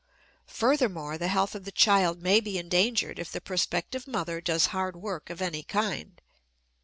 Furthermore, the health of the child may be endangered if the prospective mother does hard work of any kind.